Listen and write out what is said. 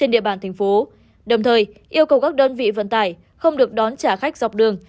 đồng thời yêu cầu các đơn vị vận tải không được đón trả khách dọc đường